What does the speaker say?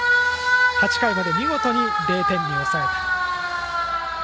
８回まで見事に０点に抑えた。